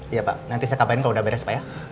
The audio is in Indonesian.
iya pak nanti saya kabarin kalau udah beres pak ya